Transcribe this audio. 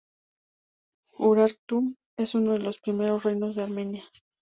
Urartu es uno de los primeros reinos de Armenia.